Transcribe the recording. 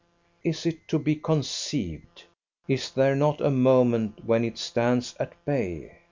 Is it to be conceived? Is there not a moment when it stands at bay?